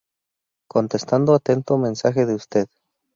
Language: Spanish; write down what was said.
Contestando atento mensaje de usted.